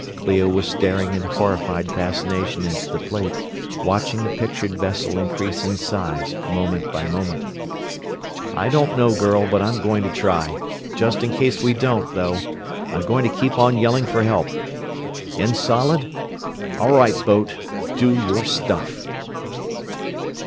Clio was staring in horrified fascination into the plate, watching the pictured vessel increase in size, moment by moment. "I don't know, girl, but I'm going to try. Just in case we don't, though, I'm going to keep on yelling for help. In solid? All right, boat, DO YOUR STUFF!"